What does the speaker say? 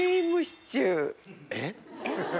えっ？